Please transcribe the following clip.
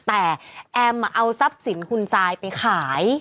แต่แอมเอาทรัพย์สินคุณซายไปขาย